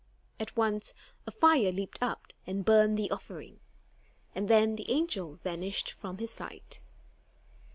At once, a fire leaped up and burned the offering; and then the angel vanished from his sight.